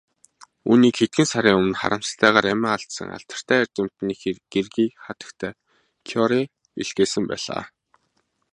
Үүнийг хэдхэн сарын өмнө харамсалтайгаар амиа алдсан алдартай эрдэмтний гэргий хатагтай Кюре илгээсэн байлаа.